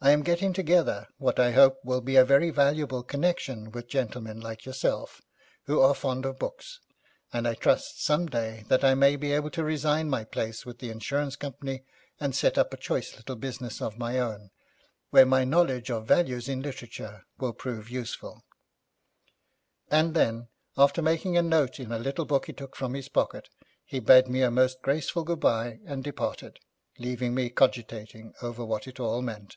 I am getting together what I hope will be a very valuable connection with gentlemen like yourself who are fond of books, and I trust some day that I may be able to resign my place with the insurance company and set up a choice little business of my own, where my knowledge of values in literature will prove useful.' And then, after making a note in a little book he took from his pocket, he bade me a most graceful good bye and departed, leaving me cogitating over what it all meant.